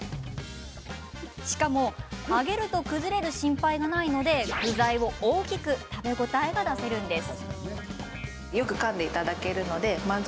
しかも揚げると崩れる心配がないので具材を大きく食べ応えが出せるんです。